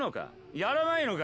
やらないのか？